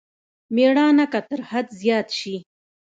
مېړانه که تر حد زيات شي.